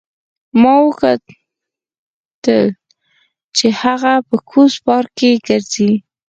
ما وکتل چې هغه په کوز پارک کې ګرځي